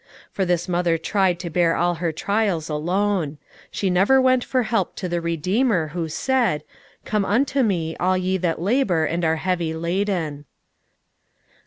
For this mother tried to bear all her trials alone; she never went for help to the Redeemer, who said, "Come unto Me, all ye that labour and are heavy laden."